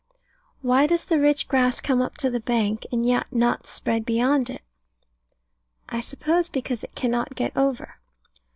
Why does the rich grass come up to the bank, and yet not spread beyond it? I suppose because it cannot get over.